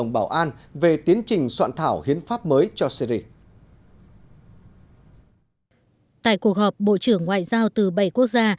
bộ trưởng ngoại giao từ bảy quốc gia